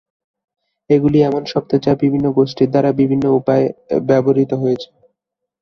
এগুলি এমন শব্দ যা বিভিন্ন গোষ্ঠীর দ্বারা বিভিন্ন উপায়ে ব্যবহৃত হয়েছে।